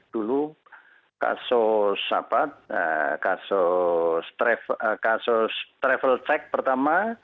dulu kasus travel check pertama